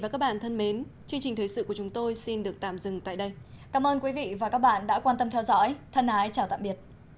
cảm ơn các bạn đã theo dõi và hẹn gặp lại